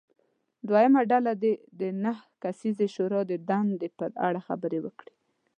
دویمه ډله دې د نهه کسیزې شورا د دندې په اړه خبرې وکړي.